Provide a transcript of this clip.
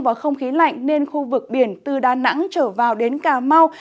và không khí lạnh nên khu vực biển từ đà nẵng trở vào đến cà mau